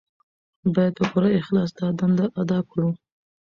باید په پوره اخلاص دا دنده ادا کړو.